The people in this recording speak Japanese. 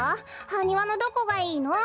ハニワのどこがいいの？